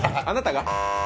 あなたが？